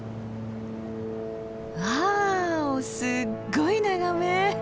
わあすっごい眺め。